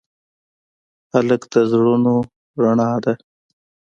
هلک د زړونو رڼا ده.